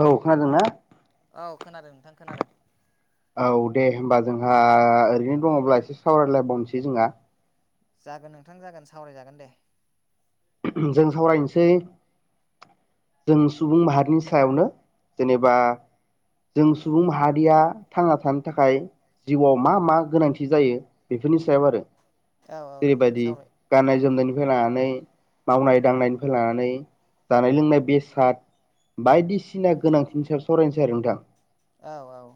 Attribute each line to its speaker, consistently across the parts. Speaker 1: औ खोनादों ना?
Speaker 2: औ खोनादों नोंथां खोनादों
Speaker 1: औ। दे होनोमबा जोंहा ओरैनो दङब्ला एसे सावरायलायबावनोसै जोंहा।
Speaker 2: जागोन नोंथां जागोन सावरायजागोन दे।
Speaker 1: जों सावरायनोसै जों सुबुं माहारिनि सायावनो जेनेबा जों
Speaker 2: औ
Speaker 1: सुबुं माहारिया थांना थानो थाखाय जिउआव मा मा गोनांथि जायो बेफोरनि सायाव आरो।
Speaker 2: औ औ नोंथां
Speaker 1: जेरैबायदि
Speaker 2: सावराय औ
Speaker 1: गाननाय जोमनायनिफ्राय लानानै मावनाय दांनायनिफ्राय लानानै जानाय लोंनाय बेसाद बायदिसिना गोनांथिनि सायाव सावरायनोसै आरो नोंथां
Speaker 2: औ औ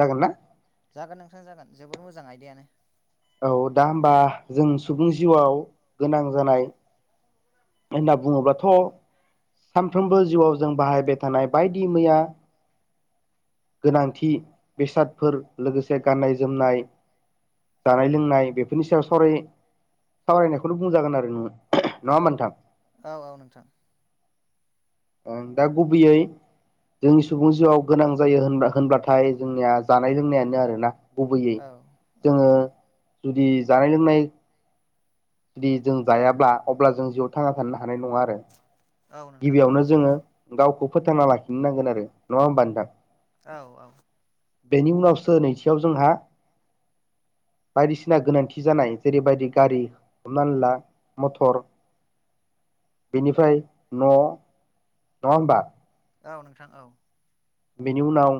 Speaker 1: जागोन ना?
Speaker 2: [inaudible]
Speaker 1: औ दा हबा जों सुबुंनि जिउआव गोनां जानाय होनना बुङोब्लाथ' सानफ्रोमबो जिउआव जों बाहायबाय थानाय बायदि मैया गोनांथि बेसादफोर लोगोसे गाननाय जोमनाय जानाय लोंनाय बेफोरनि सायावाव सावरायनायखौनो बुंजागोन आरो नोङो नङा होमबा नोंथां?
Speaker 2: औ आ नथां
Speaker 1: ओं दा गुबैयै जोंनि सुबुं जिउआव गोनां जायो होन होनब्लाथाय जोंनिया जानाय लोंनायानो आरोना गुबैयै
Speaker 2: औ औ
Speaker 1: जोङो जुदि जानाय लोंनाय जुदि जों जायाब्ला अब्ला जों जिउआव थाङा थानो ना [unintelligible] आरो
Speaker 2: औ नोंथां औ
Speaker 1: गिबियावनो जोङो गावखौ फोथांना लाखिनोनांगोन आरो नङा होमबा नोंथां?
Speaker 2: [inaudible]
Speaker 1: बेनि उनावसो नैथियाव जोंहा बायदिसिना गोनांथि जानाय जेरैबायदि गारि हमनानै ला मटर बेनिफ्राय न' नङ होनबा?
Speaker 2: औ नोंथां औ
Speaker 1: बेनि उनाव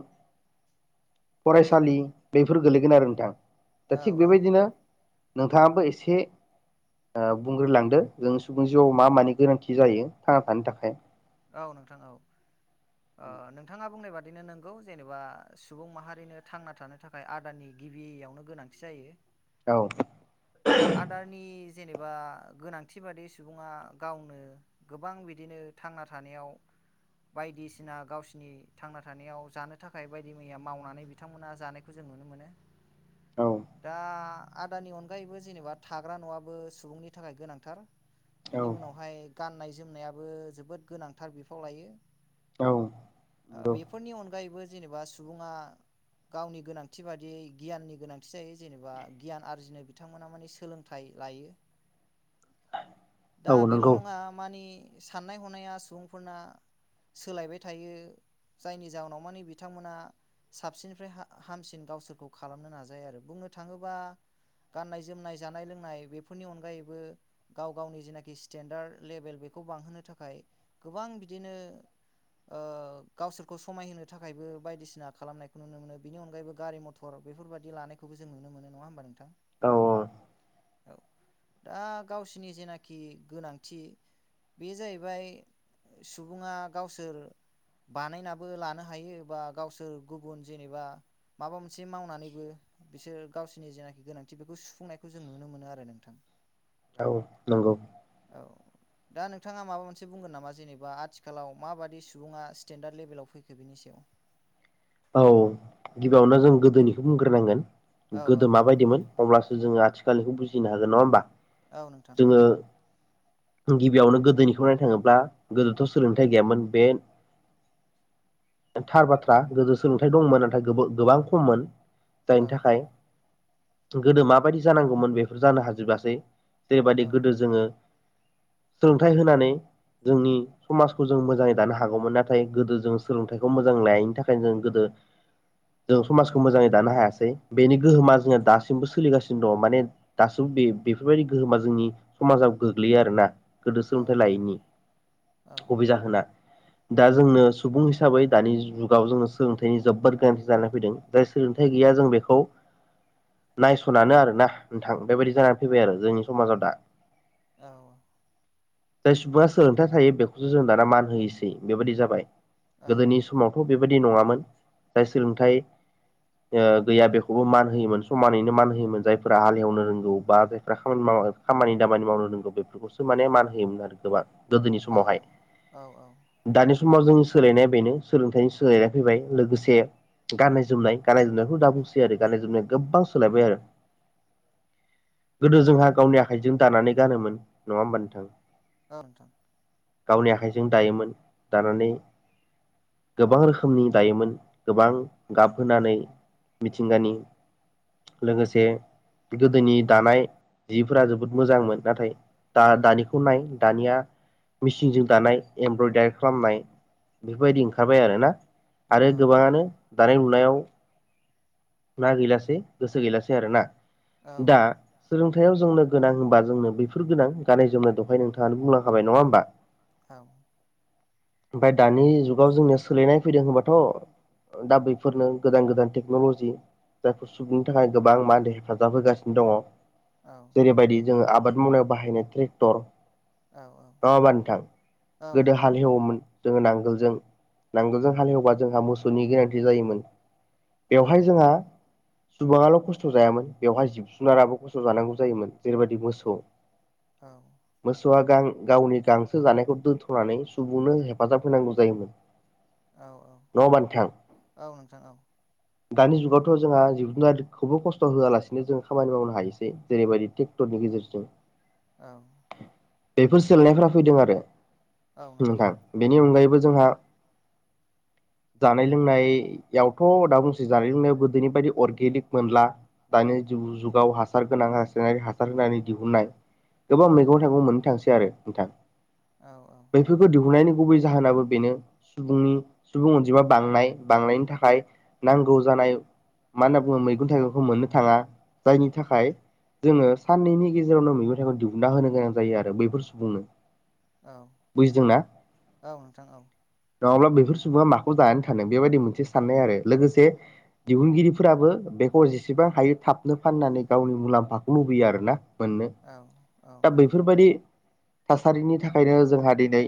Speaker 1: फरायसालि बेफोर गोलैगोन आरो नोंथां दा
Speaker 2: औ
Speaker 1: थिग
Speaker 2: औ
Speaker 1: बेबायदिनो नोंथाङाबो एसे ओ बुंग्रोलांदो जों सुबुंनि जिउआव मा मानि गोनांथि जायो थांना थानो थाखाय
Speaker 2: [inaudible] [inaudible]
Speaker 1: औ
Speaker 2: आदारनि [inaudible] [inaudible] [inaudible] नुनो मोनो
Speaker 1: औ
Speaker 2: दा आदानि अनगायैबो जेनेबा थाग्रा न'आबो सुबुंनि थाखाय गोनांथार बिनि उनावहाय [inaudible] [inaudible]
Speaker 1: औ
Speaker 2: गावनि गोनांथि बादियै गियाननि गोनांथि जायो जेनेबा गियान आरजिनो बिथांमोना मानि सोलोंथाइ लायो दा
Speaker 1: औ
Speaker 2: बेल'
Speaker 1: नंगौ
Speaker 2: नङा मानि साननाय हनाया सुबुंफोरना सोलायबाय थायो जायनि जाहोनाव मानि बिथांमोना [inaudible] गाननाय जोमनाय जानाय लोंनाय बेफोरनि अनगायैबो गाव गावनि जेनाखि स्टेेनडार्द लेभेल बे [inaudible] ओ गावसोरखौ समायहोनो थाखायबो बायदिसिना खालामनायखौ नुनो मोनो बेनि अनगायैबो गारि मथर [inaudible]
Speaker 1: औ
Speaker 2: औ दा गावसिनि जेनाखि गोनांथि बे जाहैबाय सुबुङा गावसोर बानायनाबो लानो हायो बा गावसोर गुबुन जेनेबा [inaudible]
Speaker 1: औ नंगौ
Speaker 2: [inaudible] जेनेबा आथिखालाव माबादि सुबुंङा स्टेेनडार्द लेभेलाव फैखो बिनि सायाव
Speaker 1: औ गिबियावनो जों गोदोनिखौ बुंग्रोनांगोन
Speaker 2: औ
Speaker 1: गोदो
Speaker 2: औ
Speaker 1: माबायदिमोन अब्लासो जोंङो आथिखालनिखौ बुजिनो हागोन नंङा होमबा
Speaker 2: औ नोंथां
Speaker 1: जोङो गिबियावनो गोदोनिखौ नायनो थांङोब्ला गोदोथ' सोलोंथाइ गैयामोन बे थार बाथ्रा गोदो सोलोंथाइ दंमोन नाथाय गोबां खममोन
Speaker 2: औ
Speaker 1: जायनि थाखाय गोदो माबायदि जानांगौमोन बेफोर जानो हाजोबासै जेरैबायदि
Speaker 2: औ
Speaker 1: गोदो जोंङो सोलोंथाइ होनानै जोंनि समाजखौ जों मोजांङै दानो हागौमोन नाथाय गोदो जों सोलोंथाइखौ मोजां लायैनि थाखायनो जों [inaudible] जों समाजखौ मोजांङै दानो हायासै बेनि गोहोमा जोंङो दासिमबो सोलिगासिनो दंङ माने दासिम बे बेफोरबायदि गोहोमा जोंनि समाजाव गोग्लैयो आरोना गोदो
Speaker 2: औ
Speaker 1: सोलोंथाइ लायैनि
Speaker 2: औ
Speaker 1: गुबै जाहोना दा जोंनो सुबुं हिसाबै दानि जुगाव जोंङो सोलोंथाइनि जोबोद गोनांथि जानानै फैदों जाय सोलोंथाइ गैया जों बेखौ नायस'ननानै आरोना नोंथां बेबायदि जानानै फैबाय आरो जोंनि समाजाव दा
Speaker 2: औ
Speaker 1: जाय सुबुंङा सोलोंथाइ थायो बेखौसो जों दाना मान होयोसै बेबायदि जाबाय
Speaker 2: औ
Speaker 1: गोदोनि समावथ' बेबायदि नंङामोन जाय सोलोंथाइ ओ गैया बेखौबो मान होयोमोन समानैनो मान होयोमोन जायफोरा हालेवनो रोंगौ बा जायफ्रा खामानि माव? खामानि दामानि मावनो रोंगौ बेफोरखौसो माने मान होयोमोन आरो गोबां गोदोनि
Speaker 2: औ
Speaker 1: समावहाय
Speaker 2: औ
Speaker 1: दानि समाव जोंनि सोलायनाया बेनो सोलोंथाइनि सोलायनाया फैबाय लोगोसे गाननाय जोमनाय गाननाय जोमनायखौ दा बुंसै आरो गाननाय जोमनाया गोबां सोलायबाय आरो
Speaker 2: [inaudible]
Speaker 1: गोदो जोंहा गावनि आखाइजों दानानै गानोमोन नंङा होमबा नोंथां
Speaker 2: औ नोंथां
Speaker 1: गावनि आखाइजों दायोमोन दानानै गोबां रोखोमनि दायोमोन गोबां गाब होनानै मिथिंगानि लोगोसे गोदोनि दानाय जिफोरा जोबोद मोजांमोन नाथाय दा-दानिखौ नाय दानिया मेचिनजों दानाय एमब्रयदारि खालामनाय बेफोरबायदि ओंखारबाय आरोना आरो
Speaker 2: औ
Speaker 1: गोबांङानो दानाय लुनायाव ना गैलासेै गोसो गैलासै आरोना
Speaker 2: औ
Speaker 1: दा सोलोंथाइयाव जोंनो गोनां होनबा जोंनो बैफोर गोनां गाननाय जोमनाय दहाय नोंथांङानो बुंलांखाबाय नंङा होमबा
Speaker 2: औ
Speaker 1: ओमफ्राय दानि जुगाव जोंनिया सोलायनाय फैदों होनबाथ' दा बैफोरनो गोदान गोदान टेक्न'ल'जि जायखौ सुबुंनि थाखाय गोबां मादो हेफाजाब होगासिनो दंङ
Speaker 2: औ
Speaker 1: जेरैबायदि जोंङो आबाद मावनायाव बाहायनाय ट्रेक्टर
Speaker 2: औ औ
Speaker 1: नंङा होमबा नोंथां
Speaker 2: औ
Speaker 1: गोदो
Speaker 2: नंगौ
Speaker 1: हाल
Speaker 2: नोंथां
Speaker 1: हेवोमोन जोंङो नांगोलजों नांगोलजों हालेवबा जोंहा मोसौनि गोनांथि जायोमोन
Speaker 2: औ
Speaker 1: बेवहाय जोंहा सुबुंङाल' खस्थ' जायामोन बेवहाय जिब जुनाराबो खस्थ' जानांगौ जायोमोन जेरैबायदि मोसौ
Speaker 2: औ
Speaker 1: मोसौआ गां गावनि गांसो जानायखौ दोनथ'नानै सुबुंनो हेफाजाब होनांगौ जायोमोन
Speaker 2: औ औ
Speaker 1: नङा होमबा नोंथां?
Speaker 2: औ नोंथां औ
Speaker 1: दानि जुगाव थ' जोंहा जिब जुनारखौबो खस्थ' होआलासिनो जों खामानि मावनो हायोसै जेरैबायदि ट्रेक्टरनि गेजेरजों
Speaker 2: औ
Speaker 1: बेफोर सोलायनायफोरा फैदों आरो नोंथां बेनि अनगायैबो जोंहा जानाय लोंनायावथ' दा बुंसै जानाय लोंनायाव जेरैबायदि अर्गेनिक मोनब्ला दानि जु-जुगाव हासार गोनां रासायनारि हासार होनानै दिहुननाय गोबां
Speaker 2: औ
Speaker 1: मैगं थाइगं मोननो थांसै आरो नोंथां
Speaker 2: औ
Speaker 1: बेैफोरखौ दिहुननायनि गुबै जाहोनाबो बेनो सुबुंनि सुबुं अनजिमा बांनाय बांनायनि थाखाय नांगौ जान नाय मा होनना बुङो मैगं थाइगंखौ मोननो थाङा जायनि थाखाय जोङो साननैनि गेजेरावनो मैगं थाइगं दिहुनना होनो गोनां जायो आरो बैफोर सुबुंनो
Speaker 2: औ
Speaker 1: बुजिदोंना
Speaker 2: औ नोंथां औ
Speaker 1: नङाब्ला बेफोर सुबुङा माखौ जाना थानो बेबायदि मोनसे साननाय आरो लोगोसे दिहुनगिरिफोराबो बेखौ जेसेबां हायो थाबनो फाननानै गावनि मुलाम्फाखौ लुबैयो आरोना मोननो
Speaker 2: औ औ
Speaker 1: दा बैफोरबायाददि थासारिनि थाखायनो जोंहा दिनै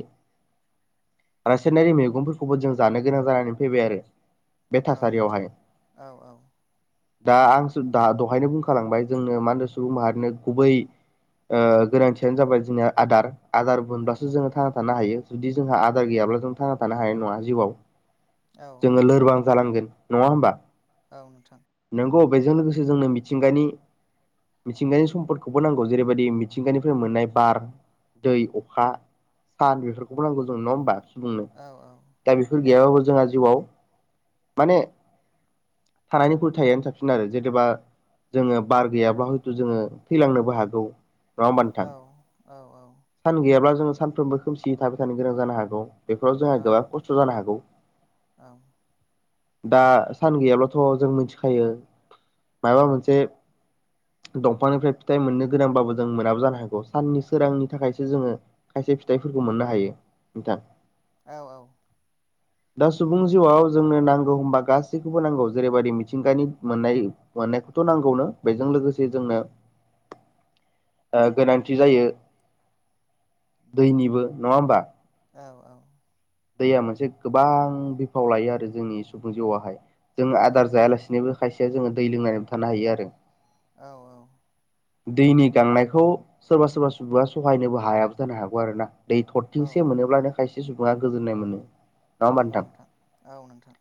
Speaker 1: रासायनारि मैगंफोरखौबो जों जानो गोनां जानानै फैबाय आरो बे
Speaker 2: औ नोंथां
Speaker 1: थासारियावहाय
Speaker 2: औ औ
Speaker 1: दा आं द दहायनो बुंखालांबाय जोंनो मा होनो सुबुं माहारिनो गुबै ओ गोनांथियानो जाबाय जोंनिया आदार आदार मोनब्लासो जोङो थांना थानो हायो जुदि जोंहा आदार गैयाब्ला जों थांना थानो हानाय नङा जिउआव
Speaker 2: औ
Speaker 1: जोङो लोरबां जालांगोन नङा होमबा
Speaker 2: औ नोंथां
Speaker 1: नोंगौ बेजों लोगोसे जोंनो मिथिंगानि मिथिंगानि सम्पदखौबो नांगौ जेरैबायदि मिथिंगानिफ्राय मोननाय बार दै अखा सान बेफोरखौबो नांगौ जों नङा होमबा उम
Speaker 2: औ
Speaker 1: दा बेफोर गैयाबाबो जोंहा जिउआव माने थानायनिख्रुय थायैआनो साबसिन आरो जेथुबा जोङो बार गैयाब्ला हयथ' जोङो थैलांनोबो हागौ नङा होमबा नोंथां
Speaker 2: औ औ
Speaker 1: सान गैयाब्ला जोङो सानफ्रोमबो खोमसि थाबाय थानो गोनां जानो हागौ बेफोराव जोंहा गोबां खस्थ' जानो हागौ दा सान गैयाब्लाथ' जों मिथिखायो मायाबा मोनसे दंफांनिफ्राय फिथाइ मोननो गोनांबाबो जों मोनाबो जानो हागौ साननि सोरांनि थाखायसो जोङो खायसे फिथाइफोरखौ मोननो हायो नोंथां
Speaker 2: औ औ
Speaker 1: दा सुबुं जिउआव जोंनो नांगौ होमबा गासैखौबो नांगौ जेरैबायदि मिथिंगानि मोननाय मोननायखौ थ' नांगौनो बेजों लोगोसे जोंनो
Speaker 2: [inaudible]
Speaker 1: ओ गोनांथि जायो दैनिबो नङा होमबा दैया मोनसे गोबां बिफाव लायो आरो जोंनि सुबुं जिउआवहाय जोंङ आदार जायालासिनोबो खायसेया जोङो दै लोंनानैबो थानो हायो आरो
Speaker 2: औ औ
Speaker 1: दैनि गांनायखौ सोरबा
Speaker 2: सुबुङा सहायनोबो हाया जानो
Speaker 1: सोरबा सुबुंआ सहायनोबो हायाबो जानो हागौ आरो ना दै
Speaker 2: हागौ आरो ना। औ
Speaker 1: थरथिंसे मोनोब्लानो खायसे सुबुङा गोजोननाय मोनो
Speaker 2: नंगौ नोंथां औ नोंथां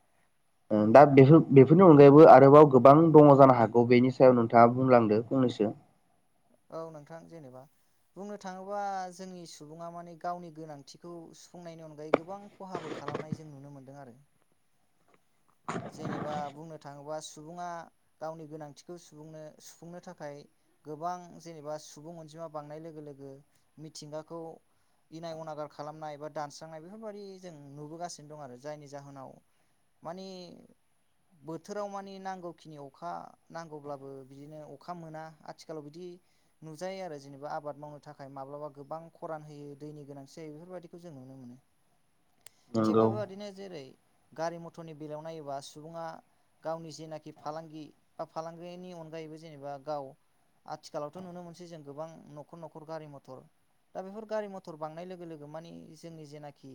Speaker 1: ओ दा बेफोर बेफोरनि अनगायैबो आरोबाव गोबां दङ जानो हागौ बेनि सायाव नोंथाङा बुंलांदों फंनै सो
Speaker 2: औ नोंथां जेनेबा बुंनो थाङोबा जोंनि सुबुङा माने गावनि गोनांथिखौ सुफुंनायनि अनगायै गोबां खहाबो खा खालामनाय जों नुनो मोनदों आरो जेनेबा बुंनो थाङोबा सुबुङा गावनि गोनांथिखौ सुबुंनो सुफुंनो थाखाय गोबां जेनेबा सुबुं अनजि मा बांनाय लोगो लोगो मिथिंगाखौ इनाय अनागार खालामनाय बा दानस्रांनाय बेफोरबायाददि जों नुबोगासिनो दं आरो जायनि जाहोनाव मानि बोथोराव माने नांगौखिनि अखा नांगौब्लाबो बिदिनो अखा मोना आथिखालाव बिदि नुजायो आरो जेनेबा आबाद मावनो थाखाय माब्लाबा गोबां खरान होयो दैनि गोनांथि जायो बेफोरबायदिखौ जोङो थिग
Speaker 1: नंगौ
Speaker 2: बेबायदिनो जेरै गारि मटरनि बेलायावनो बा सुबुङा गावनि जेनाखि फालांगि बा फालांगिनि अनगायैबो जेनेबा गाव आथिखालावथ' नुनो मोनसै जों गोबां न'खर न'खर गारि मथर दा बेफोर गारि मथर बांनाय लोगो लोगो माने जोंनि जेनाखि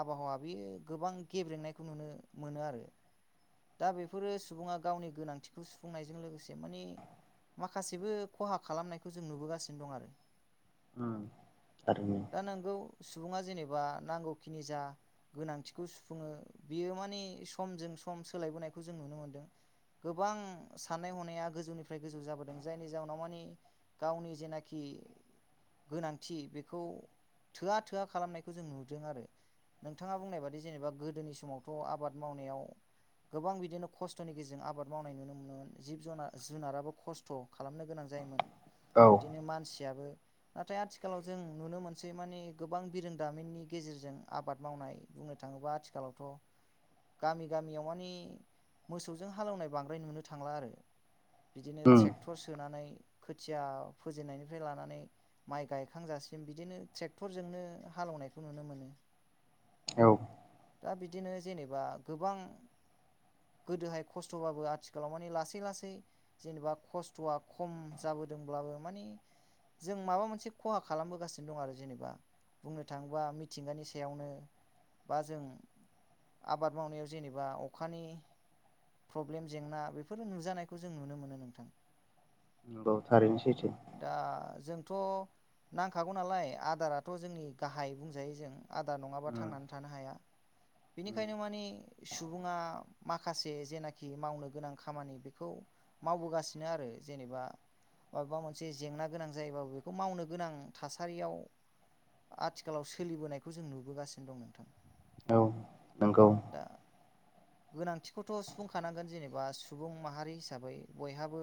Speaker 2: आबहावा बेयो गोबां गेब्रें नायखौ नुनो मोनो आरो। दा बेफोरो सुबुङा गावनि गोनांथिखौ सुफुंनायजों लोगोसे माने माखासेबो खहा खालामनायखौ जों नुबोगासिनो दं आरो
Speaker 1: उम आरो
Speaker 2: दा नोंगौ सुबुङा जेनेबा नांगौखिनि जा गोनांथिखौ सुफुङो बियो माने समजों सम सोलायबोनायखौ जों नुनो मोनदों। गोबां साननाय हनाया गोजौनिफ्राय गोजौ जाबोदों जायनि जाहोनाव माने गावनि जेनाखि गोनांथि बेखौ थोआ थोआ खालामनायखौ जों नुदों आरो नोंथाङा बुंनाय बादि जेनेबा गोदोनि समावथ' आबाद मावनायाव गोबां बिदिनो खस्थ'नि गेजेरजों आबाद मावनाय नुनो मोनोमोन जिब जुनार जुनाराबो खस्थ' खालामनो गोनां गोनां जायोमोन
Speaker 1: औ
Speaker 2: बिदिनो मानसि याबो नाथाय आथिखालाव जों नुनो मोनसै माने गोबां बिरोंदामिननि गेजेरजों आबाद मावनाय बुंनो थाङोबा आथिखालावथ' गामियाव माने मोसौजों हालेवनाय बांद्राय नुनो थांला आरो बिदिनो
Speaker 1: उम
Speaker 2: ट्रेक्टर सोनानै खोथिया फुजेनायनिफ्राय लानानै माइ गायखांजासिम बिदिनो ट्रेक्टरजोंनो हालेवनायखौ नुनो मोनो।
Speaker 1: औ
Speaker 2: दा बिदिनो जेनेबा गोबां गोदोहाय खस्थ'बाबो आथिखालाव माने लासै लासै जेनेबा खस्थ'आ खम जाबो ब्लाबो माने जों माबा मोनसे खहा खालामबोगासिनो दं आरो जेनेबा बुंनो थाङोबा मिथिंगानि सायावनो बा जों आबाद आबाद मावनायाव जेनेबा अखानि प्रब्लेम जेंना बेफोर नुजानायखौ जों नुनो मोनो नोंथां।
Speaker 1: नंगौ थारैनो सैथो।
Speaker 2: थ' नांखागौ नालाय आदाराथ' जोंनि गाहाय बुंजायो जों आदार नङाबा
Speaker 1: उम
Speaker 2: थांनानै थानो हाया।
Speaker 1: उम
Speaker 2: बिनिखायनो माने सुबुङा माखासे जेनाखि मावनो गोनां खामानि बेखौ मावबोगासिनो। आरो जेनेबा माबेबा मोनसे जेंना गोनां जायोबाबो बेखौ मावनो गोनां थासारियाव आथिखालाव सोलिबोनायखौ जों नुबोगासिनो दं नोंथां।
Speaker 1: औ नंगौ।
Speaker 2: दा गोनांथिखौथ' सुफुंखानांगोन जेनेबा सुबुं माहारि हिसाबै बयहाबो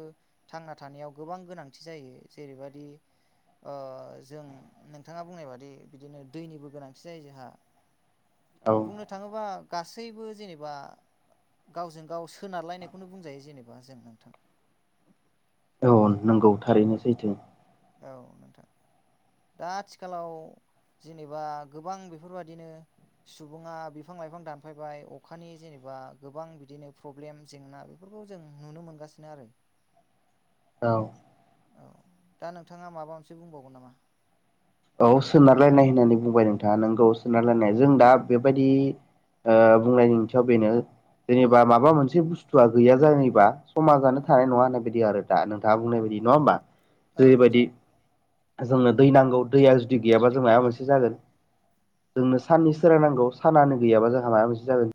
Speaker 2: थांना थानाय गोबां गोनांथि जायो जेरैबायदि जों नोंथाङा बुंनाय बादि बिदिनो दैनिबो गोनांथि जायो जोंहा।
Speaker 1: औ
Speaker 2: बुंनो थाङोबा गासैबो जेनेबा गावजों गाव सोनारलायनायखौनो बुंजायो जेनेबा जों नोंथां।
Speaker 1: नंगौ थारैनो सैथो
Speaker 2: औ नोंथां दा आथिखालाव जेनेबा गोबां बेफोरबायाददिनो सुबुङा बिफां लाइफां दानफायबाय अखानि जेनेबा गोबां बिदिनो प्रब्लेम जेंना बे खौ जों नुनो मोनगासिनो आरो
Speaker 1: औ
Speaker 2: औ दा नोंथाङा माबा मोनसे बुंबावगोन नामा?
Speaker 1: औ सोनारलायनाय होननानै बुंबाय नोंथाङा नोंगौ सोनारलायनाय जों दा बेबायदि ओ बुंनायनि ओंथियाव बेनो जेनेबा माबा मोनसे बुस्थुआ गैया जायोबा समाजानो
Speaker 2: औ
Speaker 1: थानाय नङा होननाय बायदि आरो दा नोंथाङा बुंनायबादि नङा होनोमबा?
Speaker 2: औ नोंथां
Speaker 1: जोंनो दै नांगौ दैया जुदि गैयाबा जों माबा मोनसे जागोन। जोंनो साननि सोरां नांगौ सानआानो गैयाबा जोंहा माबा मोनसे जागोन।